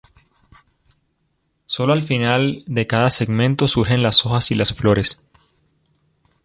Sólo al final de cada segmento surgen las hojas y las flores.